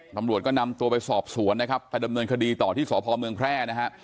ตำรวจก็นำตัวไปสอบสวนนะครับไปดำเนินคดีต่อที่สพเมืองแพร่นะฮะ